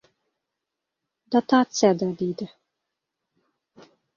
— Dotatsiyada, —deydi.